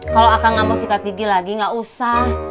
kalau akang gak mau sikat gigi lagi gak usah